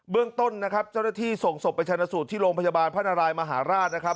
เรื่องต้นนะครับเจ้าหน้าที่ส่งศพไปชนะสูตรที่โรงพยาบาลพระนารายมหาราชนะครับ